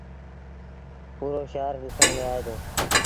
پورو شآهر ڏسڻ ميݩ آئي دو۔